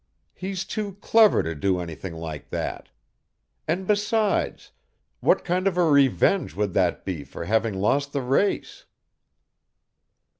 He's too clever to do anything like that. And, besides, what kind of a revenge would that be for having lost the race?"